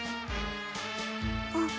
あっ。